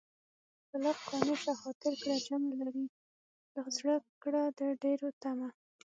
په لږ قانع شه خاطر کړه جمع لرې له زړه کړه د ډېرو طمع